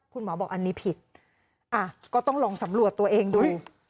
คุณหมอบอกอันนี้ผิดอ่ะก็ต้องลองสำรวจตัวเองดู